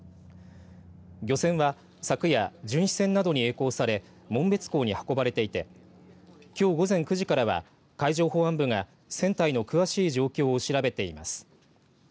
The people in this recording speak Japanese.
漁船は昨夜巡視船などにえい航され紋別港に運ばれていてきょう午前９時からは海上保安部が船体の詳しい状況を調べています。